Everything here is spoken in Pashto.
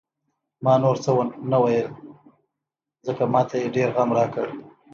ما نور څه ونه ویل، ځکه ما ته یې ډېر غم راکړ.